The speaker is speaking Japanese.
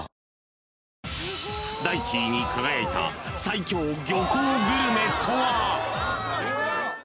［第１位に輝いた最強漁港グルメとは？］